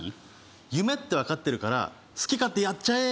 夢ってわかってるから好き勝手やっちゃえー！